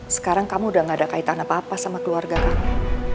sekarang kamu udah gak ada kaitan apa apa sama keluarga kamu